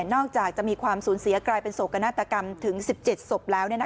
อกจากจะมีความสูญเสียกลายเป็นโศกนาฏกรรมถึง๑๗ศพแล้ว